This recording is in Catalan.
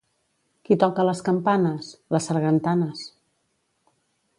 —Qui toca les campanes? —Les sargantanes.